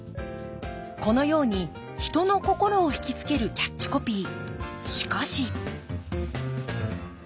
このように人の心をひきつけるキャッチコピー。